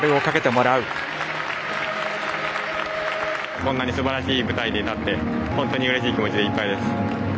こんなにすばらしい舞台で本当にうれしい気持ちでいっぱいです。